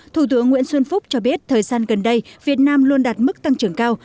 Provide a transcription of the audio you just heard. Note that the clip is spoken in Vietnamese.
thủ tướng nguyễn xuân phúc cho biết thời gian gần đây việt nam luôn đạt mức tăng trưởng cao